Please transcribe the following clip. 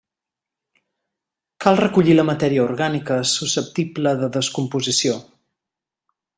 Cal recollir la matèria orgànica susceptible de descomposició.